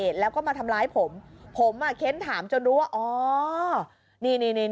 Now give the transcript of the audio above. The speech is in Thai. ตอนต่อไป